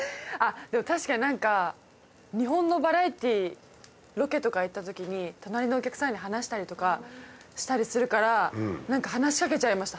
でも確かになんか日本のバラエティロケとか行った時に隣のお客さんに話したりとかしたりするからなんか話しかけちゃいました。